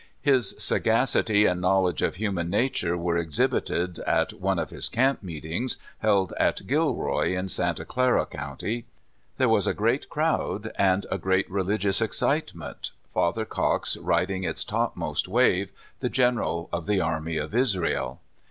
His sagacity and knowledge of human nature were exhibited at one of his camp meetings held at Gilroy, in Santa Clara county. There was a great crowd and a great religious excitement, Fa^ ther Cox riding its topmost wave, the general of the army of Israel.